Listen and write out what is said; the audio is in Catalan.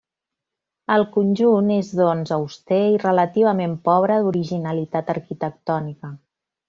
El conjunt és, doncs, auster i relativament pobre d'originalitat arquitectònica.